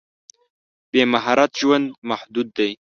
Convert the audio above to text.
بې مهارت ژوند محدود دی.